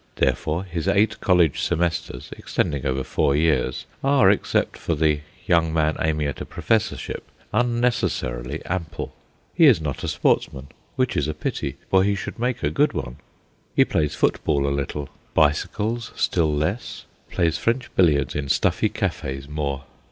Therefore his eight College Semesters, extending over four years, are, except for the young man aiming at a professorship, unnecessarily ample. He is not a sportsman, which is a pity, for he should make good one. He plays football a little, bicycles still less; plays French billiards in stuffy cafes more.